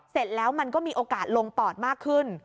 เสร็จแล้วมันก็มีโอกาสลงปอดมากขึ้น